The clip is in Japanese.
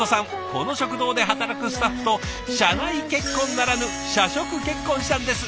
この食堂で働くスタッフと社内結婚ならぬ社食結婚したんです。